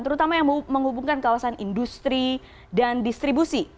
terutama yang menghubungkan kawasan industri dan distribusi